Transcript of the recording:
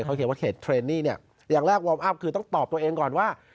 เขาเขียนว่าเขตเทรนนี่เนี่ยอย่างแรกวอร์มอัพคือต้องตอบตัวเองก่อนว่า